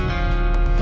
betul apa maksudnya